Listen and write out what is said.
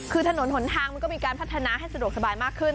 คือถนนหนทางมันก็มีการพัฒนาให้สะดวกสบายมากขึ้น